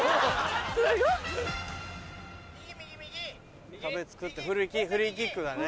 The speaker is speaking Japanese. すごい！・右右右・壁作ってフリーキックだね。